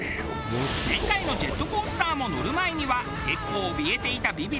前回のジェットコースターも乗る前には結構おびえていたビビりのう大。